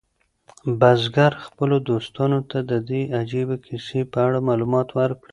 بزګر خپلو دوستانو ته د دې عجیبه کیسې په اړه معلومات ورکړل.